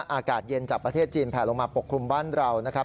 อากาศเย็นจากประเทศจีนแผลลงมาปกคลุมบ้านเรานะครับ